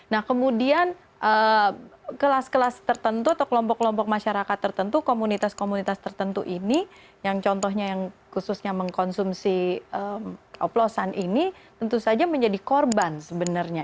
nah kemudian kelas kelas tertentu atau kelompok kelompok masyarakat tertentu komunitas komunitas tertentu ini yang contohnya yang khususnya mengkonsumsi oplosan ini tentu saja menjadi korban sebenarnya